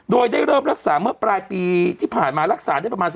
โดยได้เริ่มรักษาเมื่อปลายปีที่ผ่านมารักษาได้ประมาณ